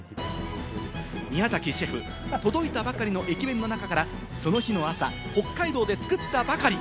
宮崎シェフ、届いたばかりの駅弁の中から、その日の朝、北海道で作ったばかり。